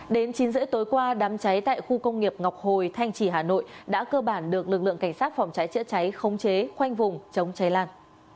đến chín h ba mươi tối qua đám cháy tại khu công nghiệp ngọc hồi thanh trì hà nội đã cơ bản được lực lượng cảnh sát phòng cháy chữa cháy khống chế khoanh vùng chống cháy lan